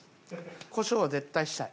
こしょうは絶対したい。